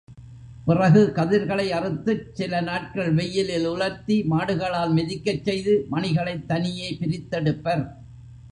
பிறகு கதிர்களை அறுத்துச் சில நாட்கள் வெயிலில் உலர்த்தி மாடுகளால் மிதிக்கச் செய்து, மணிகளைத் தனியே பிரித்தெடுப்பர்.